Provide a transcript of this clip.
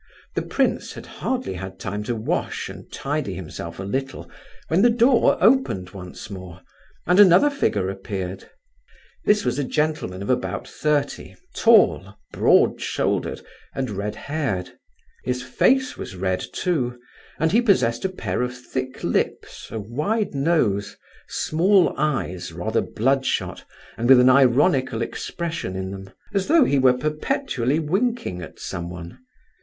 The prince had hardly had time to wash and tidy himself a little when the door opened once more, and another figure appeared. This was a gentleman of about thirty, tall, broad shouldered, and red haired; his face was red, too, and he possessed a pair of thick lips, a wide nose, small eyes, rather bloodshot, and with an ironical expression in them; as though he were perpetually winking at someone.